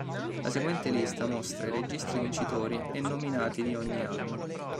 La seguente lista mostra i registi vincitori e nominati di ogni anno.